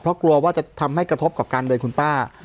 เพราะกลัวว่าจะทำให้กระทบกับการเดินคุณป้า